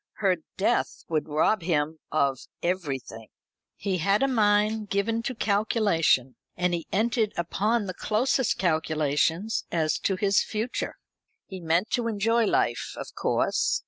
Her death would rob him of everything. He had a mind given to calculation, and he entered upon the closest calculations as to his future. He meant to enjoy life, of course.